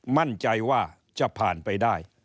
มั่นใจว่าจะผ่านไปได้